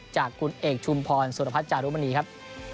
จากคุณเอกชุมพรสุรพัฒนจารุมณีครับ